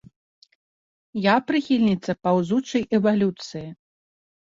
Я прыхільніца паўзучай эвалюцыі.